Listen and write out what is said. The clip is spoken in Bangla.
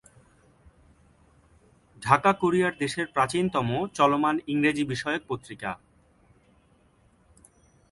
ঢাকা কুরিয়ার দেশের প্রাচীনতম চলমান ইংরেজি বিষয়ক পত্রিকা।